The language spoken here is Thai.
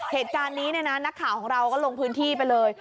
เหตุการณ์นี้เนี่ยนะนักข่าวของเราก็ลงพื้นที่ไปเลย